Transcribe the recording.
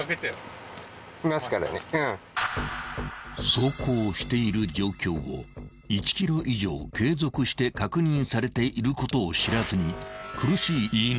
［走行している状況を１ｋｍ以上継続して確認されていることを知らずに苦しい言い逃れをする男］